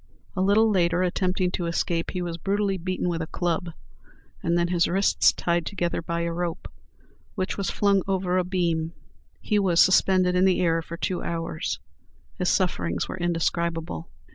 A little later, attempting to escape, he was brutally beaten with a club, and then his wrists tied together by a rope, which was flung over a beam. He was suspended in the air for two hours. His sufferings were indescribable.